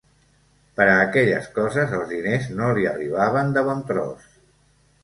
Per a aquelles coses els diners no li arribaven de bon tros